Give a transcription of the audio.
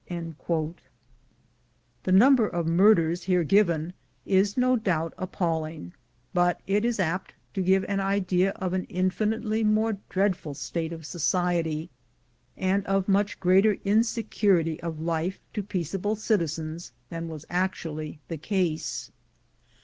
" The number of murders here given is no doubt appalling, but it is apt to give an idea of an infinitely more dreadful state of society, and of much greater insecurity of life to peaceable citizens than was actually the case.